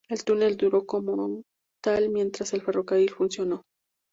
El túnel duró como tal mientras el ferrocarril funcionó.